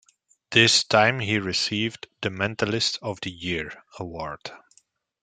This time he received the "Mentalist of the Year" award.